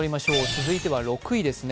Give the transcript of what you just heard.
続いては６位ですね。